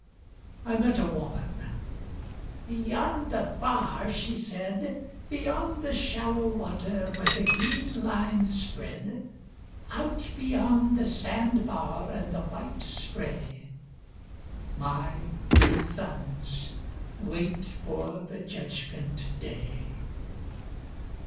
I met a woman: "Beyond the bar," she said,"Beyond the shallow water where the green lines spread,"Out beyond the sand bar and the white spray, My three sons wait for the Judgment Day."